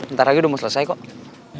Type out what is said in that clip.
ntar aja udah mau selesai kok